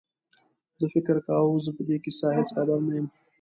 ده فکر کاوه زه په دې کیسه هېڅ خبر نه یم.